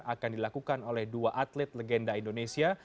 akan dilakukan oleh dua atlet legenda indonesia